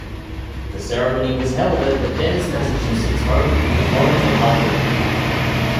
The ceremony was held at the Dennis, Massachusetts home of Lawrence and Aldrich.